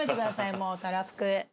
もうたらふく。